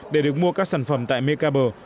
để được mua các sản phẩm tại mekabur